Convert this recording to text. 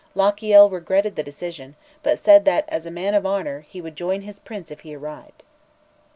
Lochiel regretted the decision, but said that, as a man of honour, he would join his Prince if he arrived.